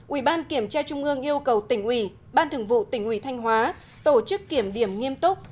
ubktq yêu cầu tỉnh ủy ban thường vụ tỉnh ủy thanh hóa tổ chức kiểm điểm nghiêm túc